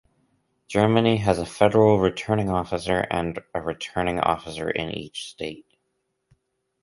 Germany has a Federal Returning Officer and a returning officer in each State.